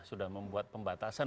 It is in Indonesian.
sudah membuat pembatasan